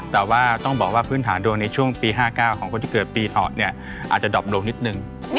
แต่ว่าต้องบอกว่าพื้นฐานดวงในช่วงปี๕๙ของคนที่เกิดปีถอดเนี่ยอาจจะดอบลงนิดนึง